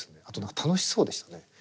あと楽しそうでしたね。